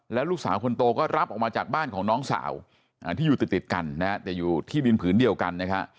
แล้วลูกสาวคนโตก็รับออกมาจากบ้านของน้องสาวที่อยู่ติดกันนะฮะแต่อยู่ที่ดินผืนเดียวกันนะฮะ